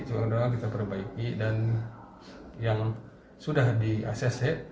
cuma kekurangan kita perbaiki dan yang sudah di acc